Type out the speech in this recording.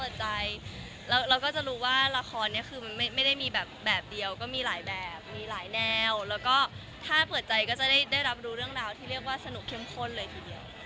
เราก็จะรู้ว่าละครเนี่ยคือมันไม่ได้มีแบบเดียวก็มีหลายแบบมีหลายแนวแล้วก็ถ้าเปิดใจก็จะได้รับรู้เรื่องราวที่เรียกว่าสนุกเข้มข้นเลยทีเดียว